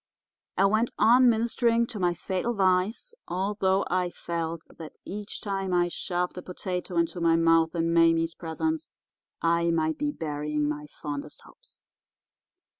I went on ministering to my fatal vice, although I felt that each time I shoved a potato into my mouth in Mame's presence I might be burying my fondest hopes.